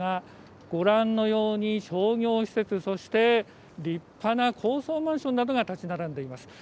ご覧のように商業施設、そして立派な高層マンションなどが建ち並んでいます。